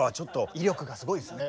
威力がすごいですね。